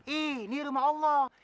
ini rumah allah